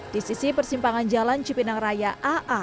di sisi persimpangan jalan cipinang raya aa